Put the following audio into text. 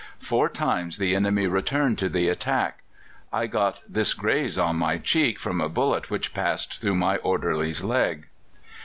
Four times the enemy returned to the attack. I got this graze on my cheek from a bullet which passed through my orderly's leg.